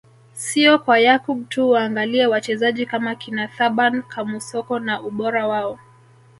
Sio kwa Yakub tu waangalie wachezaji kama kina Thaban Kamusoko na ubora wao